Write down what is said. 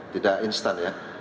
tidak instan ya